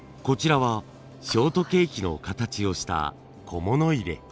こちらはショートケーキの形をした小物入れ。